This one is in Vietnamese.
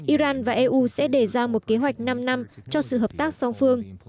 iran và eu sẽ đề ra một kế hoạch năm năm cho sự hợp tác song phương